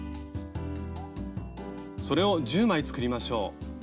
それを１０枚作りましょう。